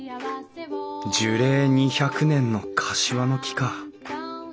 樹齢２００年のカシワの木か。